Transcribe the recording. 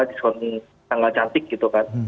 diskon tanggal cantik gitu kan